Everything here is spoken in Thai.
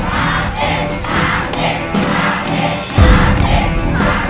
คะแนนของน้องมาปลางคือ๒๙คะแนนลดสนัง